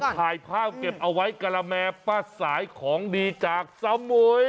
ถ่ายภาพเก็บเอาไว้กะละแม่ป้าสายของดีจากสมุย